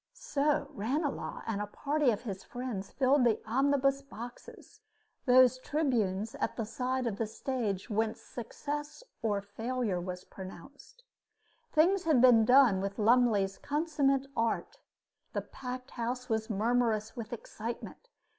So Ranelagh and a party of his friends filled the omnibus boxes, those tribunes at the side of the stage whence success or failure was pronounced. Things had been done with Lumley's consummate art; the packed house was murmurous with excitement.